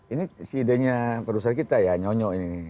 ini si idenya produser kita ya nyonyo ini